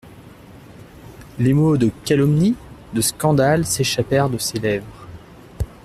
Les mots de calomnie, de scandale s'échappèrent de ses lèvres.